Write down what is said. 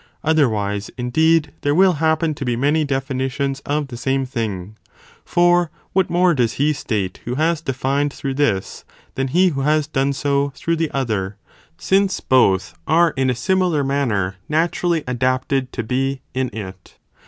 Otherwise, in "®%o | deed, there will happen to be many definitions of the same thing, for what more does he state who has defined through this, than he who has done so through the other, since both are in a similar manner naturally adapted to be in it?